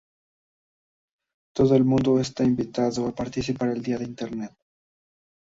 Todo el mundo está invitado a participar en el Día de Internet.